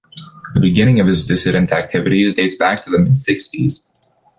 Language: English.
The beginning of his dissident activity dates back to the mid-sixties.